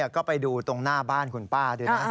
ก็ไปดูตรงหน้าบ้านคุณป้าด้วยนะ